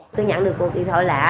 tôi nhận được cuộc điện thoại lạ